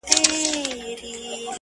ستاسې په حکمراني کې